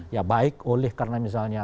ya baik oleh karena misalnya